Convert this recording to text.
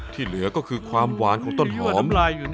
ที่เหลือก็คือความหวานของต้นหอม